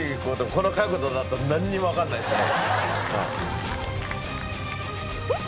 この角度だとなんにもわからないですね。